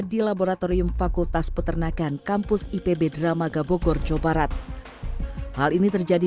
di laboratorium fakultas peternakan kampus ipb dramaga bogor jawa barat hal ini terjadi